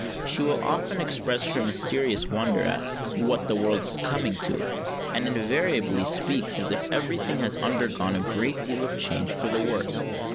She will often express her mysterious wonder at "what the world is coming to," and invariably speaks as if every thing had undergone a great change for the worst.